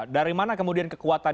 dari mana kemudian kekuatan